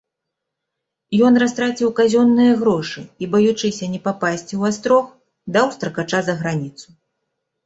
Ён растраціў казённыя грошы і, баючыся не папасці ў астрог, даў стракача за граніцу.